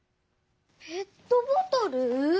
ペットボトル？